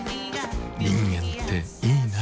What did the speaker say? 人間っていいナ。